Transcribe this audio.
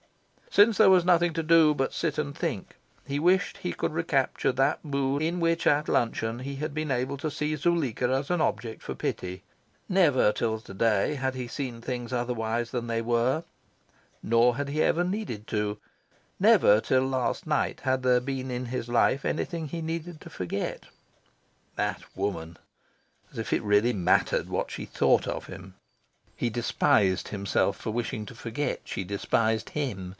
Since there was nothing to do but sit and think, he wished he could recapture that mood in which at luncheon he had been able to see Zuleika as an object for pity. Never, till to day, had he seen things otherwise than they were. Nor had he ever needed to. Never, till last night, had there been in his life anything he needed to forget. That woman! As if it really mattered what she thought of him. He despised himself for wishing to forget she despised him.